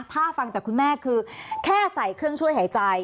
ถ้าฟังจากคุณแม่คือแค่ใส่เครื่องช่วยหายใจ